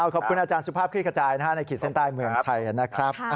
ขอบคุณอาจารย์สุภาพคลิกขจายในขีดเส้นใต้เมืองไทยนะครับ